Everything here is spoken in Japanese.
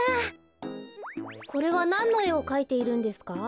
これはなんのえをかいているんですか？